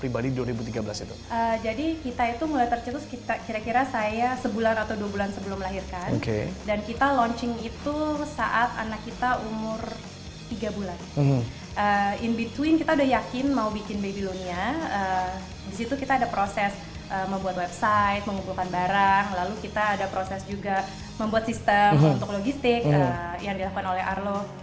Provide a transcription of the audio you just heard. in between kita udah yakin mau bikin babylonia disitu kita ada proses membuat website mengumpulkan barang lalu kita ada proses juga membuat sistem untuk logistik yang dilakukan oleh arlo